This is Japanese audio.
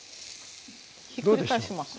ひっくり返します。